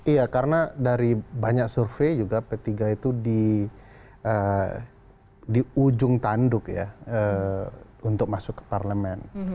iya karena dari banyak survei juga p tiga itu di ujung tanduk ya untuk masuk ke parlemen